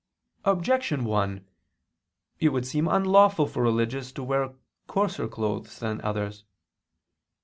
Objection 1: It would seem unlawful for religious to wear coarser clothes than others.